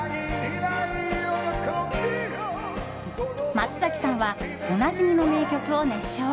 松崎さんはおなじみの名曲を熱唱。